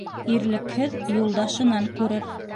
Ирлекһеҙ юлдашынан күрер.